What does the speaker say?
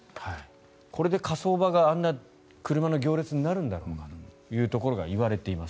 これで火葬場があんな車の行列になるんだろうかということが言われています。